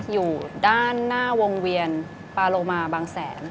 อยู่ด้านหน้าวงเวียนปาโลมาบางแสน